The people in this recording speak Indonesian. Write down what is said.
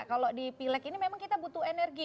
kalau di pileg ini memang kita butuh energi